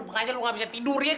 makanya lu gak bisa tidur ya kan